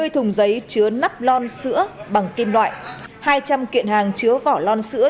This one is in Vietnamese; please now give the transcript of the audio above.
hai mươi thùng giấy chứa nắp lon sữa bằng kim loại hai trăm linh kiện hàng chứa vỏ lon sữa